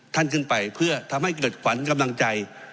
ท่านขึ้นไปเพื่อทำให้เกิดขวัญกำลังใจ